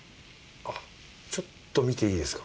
あっちょっと見ていいですか？